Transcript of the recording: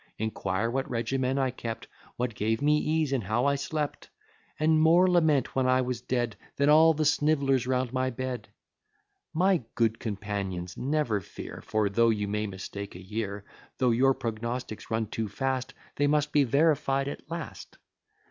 Inquire what regimen I kept; What gave me ease, and how I slept? And more lament when I was dead, Than all the sniv'llers round my bed. My good companions, never fear; For though you may mistake a year, Though your prognostics run too fast, They must be verify'd at last.